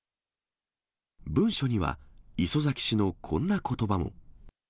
文書には、礒崎氏のこんなことばも。